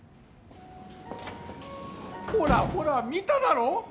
ほらほら見ただろ？